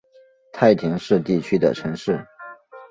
太田市地区的城市。